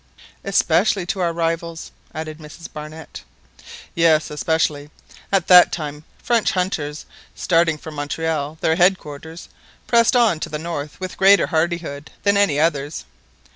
"Especially to our rivals," added Mrs Barnett. "Yes, especially. .. At that time French hunters, starting from Montreal, their headquarters, pressed on to the north with greater hardihood than any others.